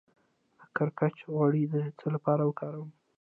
د کرچک غوړي د څه لپاره وکاروم؟